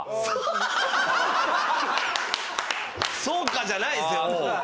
「そうか」じゃないですよもう。